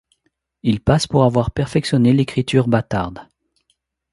Il passe pour avoir perfectionné l'écriture bâtarde.